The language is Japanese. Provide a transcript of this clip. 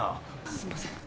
すんません。